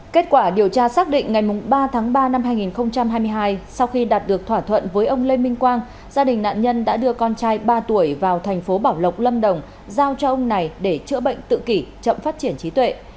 kết quả điều tra xác định ngày ba tháng ba năm hai nghìn hai mươi hai sau khi đạt được thỏa thuận với ông lê minh quang gia đình nạn nhân đã đưa con trai ba tuổi vào thành phố bảo lộc lâm đồng giao cho ông này để chữa bệnh tự kỷ chậm phát triển trí tuệ